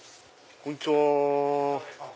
こんにちは。